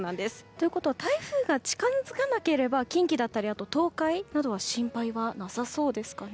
ということは台風が近づかなければ近畿だったり東海などは心配はなさそうですかね。